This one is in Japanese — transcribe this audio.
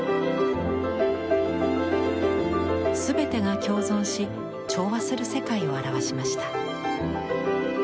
全てが共存し調和する世界を表しました。